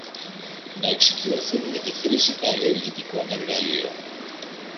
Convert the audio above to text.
να εξοικειωθούν με τη χρήση καλλιεργητικών εργαλείων